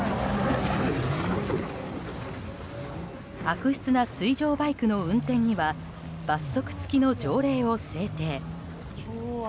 悪質な水上バイクの運転には罰則付きの条例を制定。